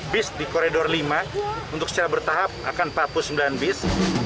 bis di koridor lima untuk secara bertahap akan empat puluh sembilan bis